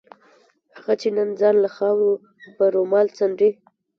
هغه چې نن ځان له خاورو په رومال څنډي.